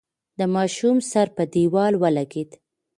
د ماشوم سر په دېوال ولگېد.